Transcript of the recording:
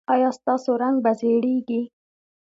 ایا ستاسو رنګ به زیړیږي؟